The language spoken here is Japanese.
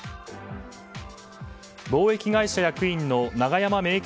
貿易会社役員の長山明吉